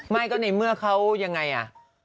ไม่ก็ในเมื่อเขายังไงอ่ะ